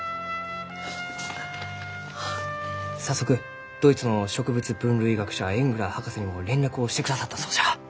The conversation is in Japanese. あ早速ドイツの植物分類学者エングラー博士にも連絡をしてくださったそうじゃ。